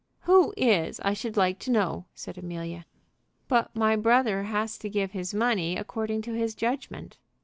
"Who is, I should like to know?" said Amelia. "But my brother has to give his money according to his judgment."